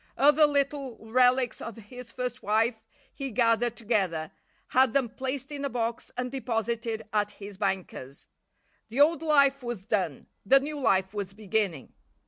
Other little relics of his first wife he gathered together, had them placed in a box and deposited at his bankers. The old life was done; the new life was beginning.